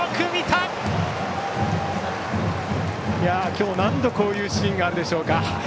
今日、何度こういうシーンがあるでしょうか。